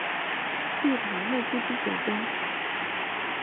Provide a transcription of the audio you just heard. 入唐后不知所终。